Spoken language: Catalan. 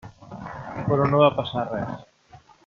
Però no va passar res.